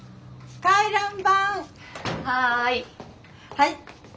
はい。